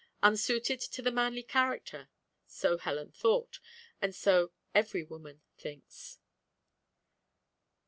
Unsuited to the manly character! so Helen thought, and so every woman thinks.